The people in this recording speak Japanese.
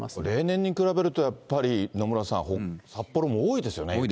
例年に比べるとやっぱり野村さん、札幌も多いですよね。